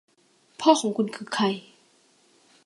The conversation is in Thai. พ่อของคุณคือใคร